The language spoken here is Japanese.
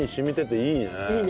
いいね！